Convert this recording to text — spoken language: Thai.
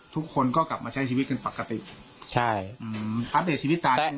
ทุกคนก็กลับมาใช้ชีวิตกันปกติใช่อืมอัปเดตชีวิตตาเต้น